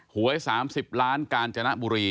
หวย๓๐ล้านกาญจนบุรี